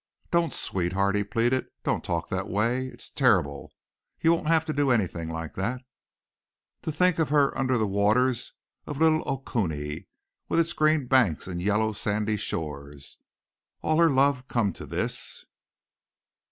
"Don't, sweetheart," he pleaded. "Don't talk that way. It's terrible. You won't have to do anything like that." To think of her under the waters of little Okoonee, with its green banks, and yellow sandy shores. All her love come to this!